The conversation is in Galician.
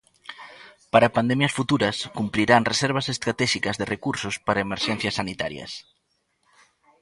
Para pandemias futuras cumprirán reservas estratéxicas de recursos para emerxencias sanitarias.